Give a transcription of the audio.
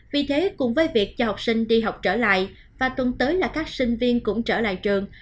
vì thế cùng với việc cho học sinh đi học trở lại và tuần tới là các sinh viên cũng trở lại trường